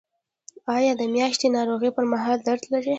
ایا د میاشتنۍ ناروغۍ پر مهال درد لرئ؟